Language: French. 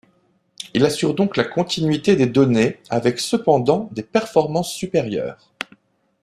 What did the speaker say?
Il assure donc la continuité des données, avec cependant, des performances supérieures.